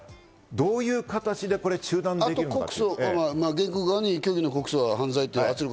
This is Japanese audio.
どういう形で中断できるのか。